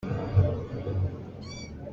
Cazi caah sohluah ka chiah.